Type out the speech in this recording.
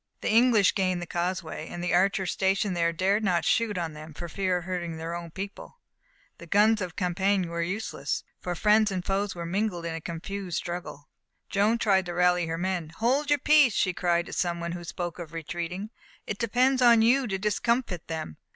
The English gained the causeway, and the archers stationed there dared not shoot on them for fear of hurting their own people. The guns of Compiègne were useless, for friends and foes were mingled in a confused struggle. Joan tried to rally her men: "Hold your peace!" she cried to some who spoke of retreating. "It depends on you to discomfit them!